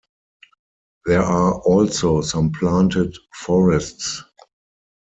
There are also some planted forests.